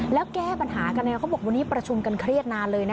แล้วแก้ปัญหากันเขาบอกวันนี้ประชุมกันเครียดนานเลยนะ